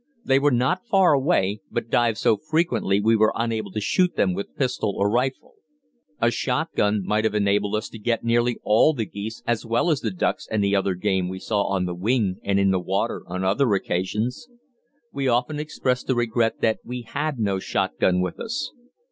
They were not far away, but dived so frequently we were unable to shoot them with pistol or rifle. A shotgun might have enabled us to get nearly all the geese as well as the ducks and other game we saw on the wing and in the water on other occasions. We often expressed the regret that we had no shotgun with us.